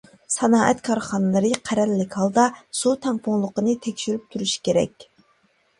سانائەت كارخانىلىرى قەرەللىك ھالدا سۇ تەڭپۇڭلۇقىنى تەكشۈرۈپ تۇرۇشى كېرەك.